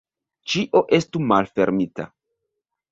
Ĉio estu malfermita.